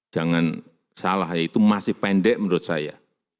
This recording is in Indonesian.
jangan salah ya itu masih pendek menurut saya